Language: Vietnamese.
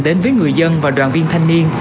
đến với người dân và đoàn viên thanh niên